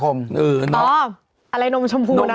ข้อมูลอะอะไรนมชมพูเนอะ